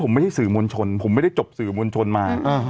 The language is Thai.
ผมไม่ใช่สื่อมวลชนผมไม่ได้จบสื่อมวลชนมา